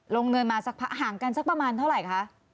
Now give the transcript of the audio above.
เงินมาสักพักห่างกันสักประมาณเท่าไหร่คะ